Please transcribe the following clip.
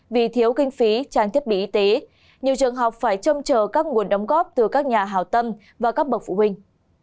vì thiếu kinh phí trang thiết bị y tế nhiều trường học phải trông chờ các nguồn đóng góp từ các nhà hào tâm và các bậc phụ huynh